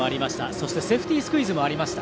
そして、セーフティースクイズもありました。